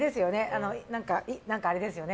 何かあれですよね。